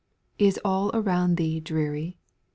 Is all around thee dreary